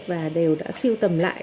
và đều đã sưu tầm lại